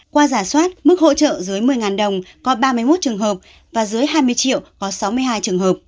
qua giả soát mức hỗ trợ dưới một mươi đồng có ba mươi một trường hợp và dưới hai mươi triệu có sáu mươi hai trường hợp